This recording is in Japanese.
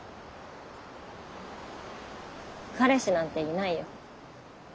彼氏なんていないよ。